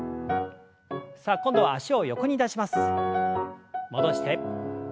さあ今度は脚を横に出します。